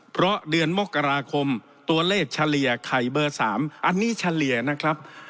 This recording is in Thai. เพราะเดือนมกราคมตัวเลขเฉลี่ยไข่เบอร์๓อันนี้เฉลี่ยนะครับ